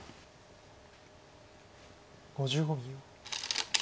５５秒。